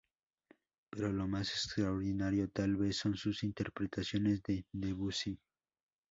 Pero lo más extraordinario, tal vez, son sus interpretaciones de Debussy.